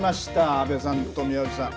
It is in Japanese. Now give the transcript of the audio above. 安部さんと宮内さん。